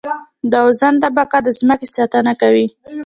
د اوزون طبقه د ځمکې ساتنه کوي